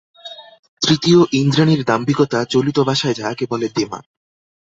তৃতীয়, ইন্দ্রাণীর দাম্ভিকতা, চলিত ভাষায় যাহাকে বলে দেমাক।